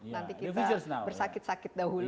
nanti kita bersakit sakit dahulu